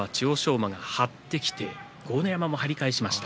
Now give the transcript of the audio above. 馬が張ってきて豪ノ山も張り返しました。